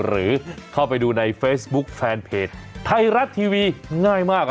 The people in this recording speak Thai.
หรือเข้าไปดูในเฟซบุ๊คแฟนเพจไทยรัฐทีวีง่ายมาก